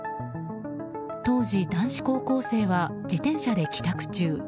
当時、男子高校生は自転車で帰宅中。